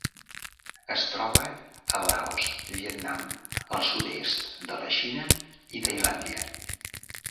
Es troba a Laos, Vietnam, el sud-est de la Xina i Tailàndia.